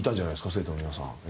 生徒の皆さん。